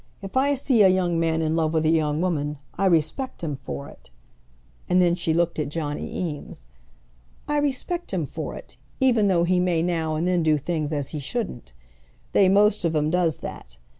If I see a young man in love with a young woman, I respect him for it;" and then she looked at Johnny Eames. "I respect him for it, even though he may now and then do things as he shouldn't. They most of 'em does that.